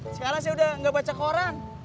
sekarang saya udah gak baca koran